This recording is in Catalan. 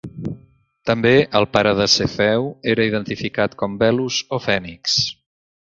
També, el pare de Cefeu era identificat com Belus o Fènix.